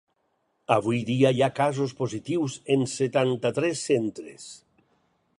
Avui dia, hi ha casos positius en setanta-tres centres.